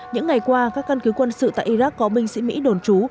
những ngày qua các căn cứ quân sự tại iraq có binh sĩ mỹ đồn trú